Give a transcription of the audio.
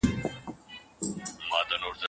د ناوي کور ته درانه سوغاتونه وړل ضروري نه دي.